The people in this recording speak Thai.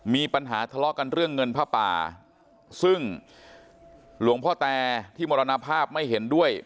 มีปัญหาทะเลาะกันเรื่องเงินผ้าป่าซึ่งหลวงพ่อแตที่มรณภาพไม่เห็นด้วย